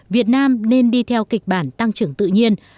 việt nam nên đi theo kịch bản tăng trưởng tự nhiên